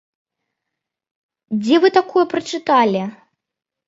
Дзе вы такое прачыталі?